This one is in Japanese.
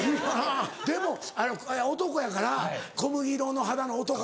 でも男やから小麦色の肌の男とか。